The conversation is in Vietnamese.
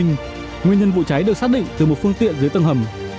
nguyên nhân vụ cháy được xác định từ một phương tiện dưới tầng hầm